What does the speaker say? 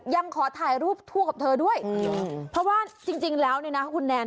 ยังขอถ่ายรูปคู่กับเธอด้วยเพราะว่าจริงแล้วเนี่ยนะคุณแนน